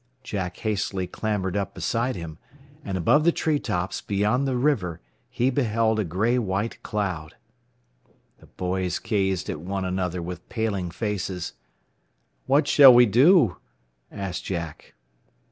Jack hastily clambered up beside him, and above the tree tops beyond the river he beheld a gray white cloud. The boys gazed at one another with paling faces. "What shall we do?" asked Jack.